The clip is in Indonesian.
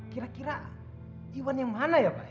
kira kira iwan yang mana ya pak